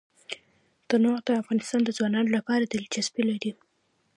تنوع د افغان ځوانانو لپاره دلچسپي لري.